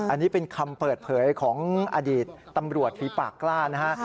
อันนี้เป็นคำเปิดเผยของอดีตตำรวจฝีปากกล้านะฮะ